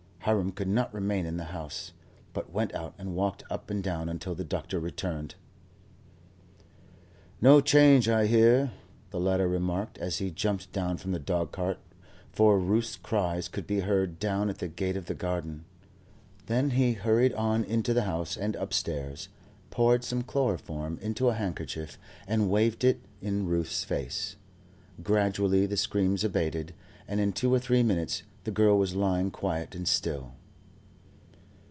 Hiram could not remain in the house, but went out and walked up and down until the doctor returned. "No change, I hear," the latter remarked, as he jumped down from the dogcart, for Ruth's cries could be heard down at the gate of the garden. Then he hurried on into the house and upstairs, poured some chloroform into a handkerchief, and waved it in Ruth's face. Gradually the screams abated, and in two or three minutes the girl was lying quiet and still.